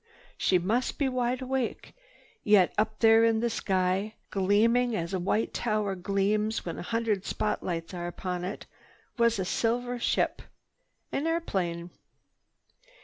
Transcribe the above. She must be wide awake, yet, up there in the sky, gleaming as a white tower gleams when a hundred spotlights are upon it, was a silver ship—an airplane.